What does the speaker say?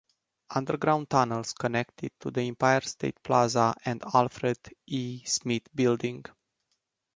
Underground tunnels connect it to the Empire State Plaza and Alfred E. Smith Building.